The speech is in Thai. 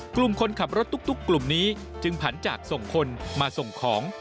กลุ่มคนขับรถตุ๊กกลุ่มนี้จึงผันจากส่งคนมาส่งของ